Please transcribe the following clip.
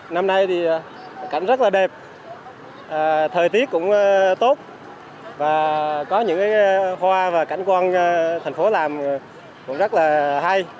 năm nay thì cảnh rất là đẹp thời tiết cũng tốt và có những hoa và cảnh quan thành phố làm cũng rất là hay